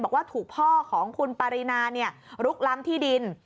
บอกว่าถูกพ่อของคุณปารีนาลุกล้ำที่ดิน